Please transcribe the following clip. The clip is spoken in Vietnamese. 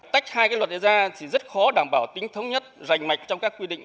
tách hai luật ra thì rất khó đảm bảo tính thống nhất rành mạch trong các quy định